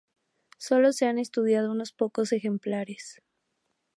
Solo se han estudiado unos pocos ejemplares.